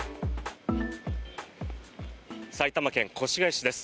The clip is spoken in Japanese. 埼玉県越谷市です。